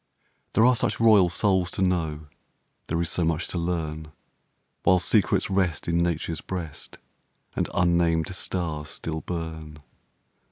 There are such royal souls to know, There is so much to learn, While secrets rest in Nature's breast And unnamed stars still burn.